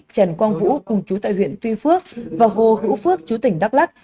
trần quang vũ cùng chú tại huyện tuy phước và hồ hữu phước chú tỉnh đắk lắc